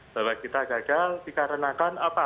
bahwa kita gagal dikarenakan apa